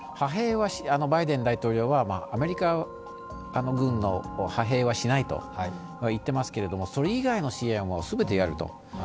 バイデン大統領は、アメリカ軍の派兵はしないと言っていますけれどもそれ以外の支援は全てやると。